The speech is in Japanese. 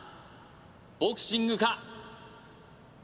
ボクシングか？